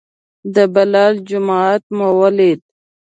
د بلال جومات مو ولید.